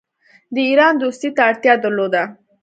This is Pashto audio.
د ایران دوستی ته اړتیا درلوده.